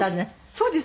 そうです。